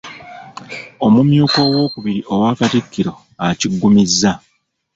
Omumyuka owookubiri owa Katikkiro akiggumizza.